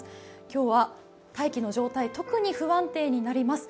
今日は大気の状態、特に不安定になります。